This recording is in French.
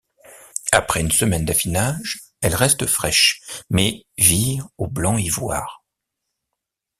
Après une semaine d'affinage, elle reste fraîche, mais vire au blanc ivoire.